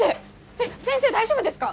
えっ先生大丈夫ですか？